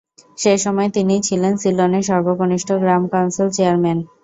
সেসময় তিনিই ছিলেন সিলনের সর্বকনিষ্ঠ গ্রাম-কাউন্সিল চেয়ারম্যান।